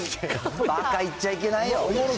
ばか言っちゃいけないよ。